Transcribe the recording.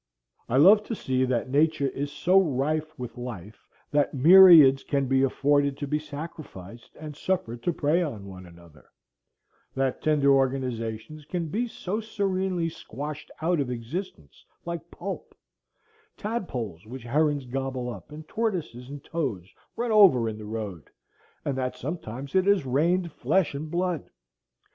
I love to see that Nature is so rife with life that myriads can be afforded to be sacrificed and suffered to prey on one another; that tender organizations can be so serenely squashed out of existence like pulp,—tadpoles which herons gobble up, and tortoises and toads run over in the road; and that sometimes it has rained flesh and blood!